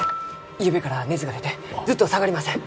ゆうべから熱が出てずっと下がりません！